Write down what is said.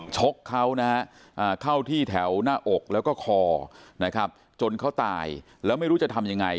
ชกเขานะฮะเข้าที่แถวหน้าอกแล้วก็คอนะครับจนเขาตายแล้วไม่รู้จะทำยังไง